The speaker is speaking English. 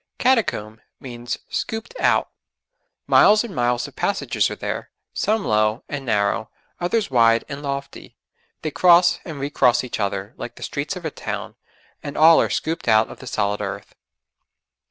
'Catacomb' means 'scooped out.' Miles and miles of passages are there, some low and narrow, others wide and lofty; they cross and re cross each other, like the streets of a town, and all are scooped out of the solid earth.